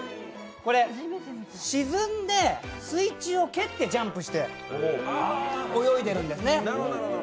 沈んで水中を蹴ってジャンプして泳いでるんですね。